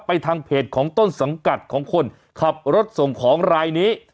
ทางเพจของต้นสังกัดของคนขับรถส่งของรายนี้